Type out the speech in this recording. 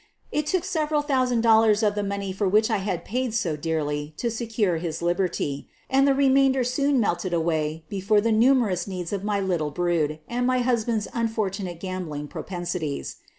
It took several thousand dollars of the money for which I had paid so dear to secure his liberty, and the remainder soon melted away before the numerous needs of my little brood and my husband's unfortunate gambling propensi ties.